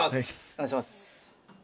お願いします。